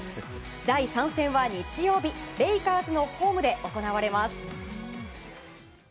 第３戦は日曜日レイカーズのホームで行われます。